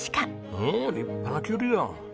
おお立派なキュウリだ。